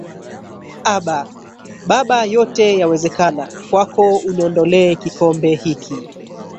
Aba Baba yote yawezekana kwako uniondolee kikombe hiki